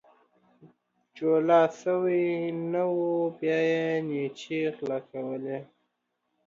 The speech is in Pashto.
جولا سوى نه وو ، بيا يې نيچې غلا کولې.